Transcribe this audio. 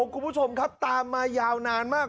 คุณผู้ชมครับตามมายาวนานมาก